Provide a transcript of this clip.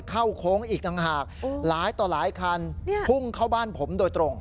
โค้งอีกต่างหากหลายต่อหลายคันพุ่งเข้าบ้านผมโดยตรง